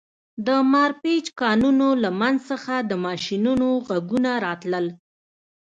د مارپیچ کانونو له منځ څخه د ماشینونو غږونه راتلل